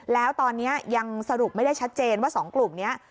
แล้วตอนนี้ยังสรุปไม่ได้ชัดเจนว่า๒กลุ่มนี้